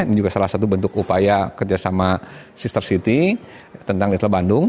ini juga salah satu bentuk upaya kerjasama sister city tentang little bandung